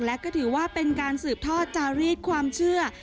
และก็ถือว่าเป็นการสืบทอดจารีดความเชื่อ